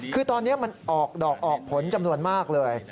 คือตอนนี้มันออกดอกออกผลจำนวนมากเลย